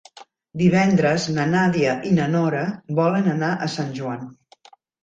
Divendres na Nàdia i na Nora volen anar a Sant Joan.